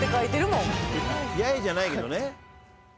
「やえ」じゃないけどね。